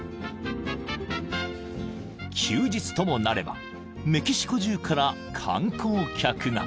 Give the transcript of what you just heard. ［休日ともなればメキシコ中から観光客が］